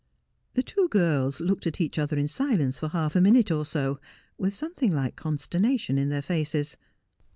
The two girls looked at each other in silence for half a minute or so, with something like consternation in their faces.